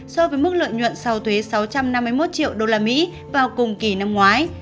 so với mức lợi nhuận sau thuế sáu trăm năm mươi một triệu usd vào cùng kỳ năm ngoái